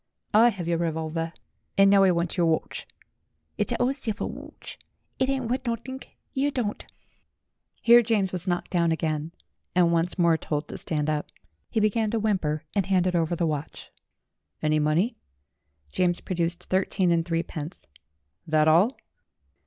"I have your revolver, and now I want your watch." "It's a ole silver watch; it ain't wuth nutthink; yer don't " Here James was knocked down again, and once more told to stand up. He began to whimper and handed over the watch. "Any money?" James produced thirteen and threepence. "That all?"